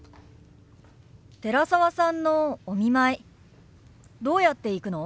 寺澤さんのお見舞いどうやって行くの？